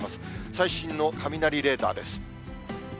最新の雷レーダーです。